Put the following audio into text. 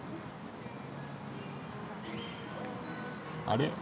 あれ？